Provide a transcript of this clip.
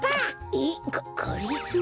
えっ？ががりぞー？